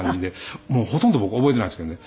もうほとんど僕覚えていないですけどね。